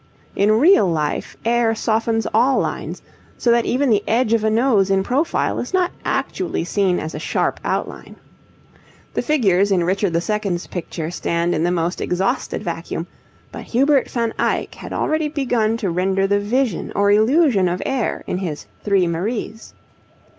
In real life air softens all lines, so that even the edge of a nose in profile is not actually seen as a sharp outline. The figures in Richard II.'s picture stand in the most exhausted vacuum, but Hubert van Eyck had already begun to render the vision or illusion of air in his 'Three Maries.'